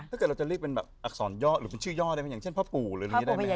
ถ้าเกิดเราจะเรียกเป็นแบบอักษรย่อหรือเป็นชื่อย่อได้ไหมอย่างเช่นพ่อปู่หรืออะไรอย่างนี้ได้ไหมครับ